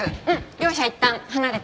両者いったん離れて。